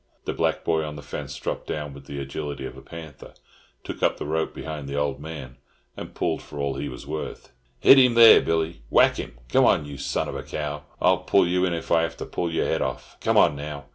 The black boy on the fence dropped down with the agility of a panther, took up the rope behind the old man, and pulled for all he was worth. "Hit him there, Billy! Whack him! Come on, you son of a cow! I'll pull you in if I have to pull your head off. Come on, now!"